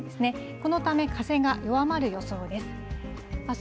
このため、風が弱まる予想です。